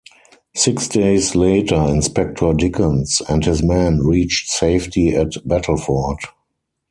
Six days later, Inspector Dickens and his men reached safety at Battleford.